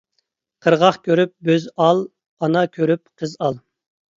قىرغاق كۆرۈپ بۆز ئال، ئانا كۆرۈپ قىز ئال.